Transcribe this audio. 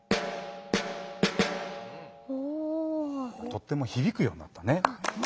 とってもひびくようになったね。